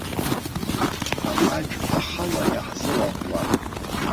Амаҵә ахала иаҳзылаҟәуам!